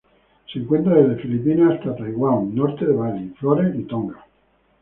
Se encuentra desde Filipinas hasta Taiwán, norte de Bali, Flores y Tonga.